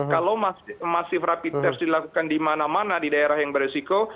kalau masif rapid test dilakukan di mana mana di daerah yang beresiko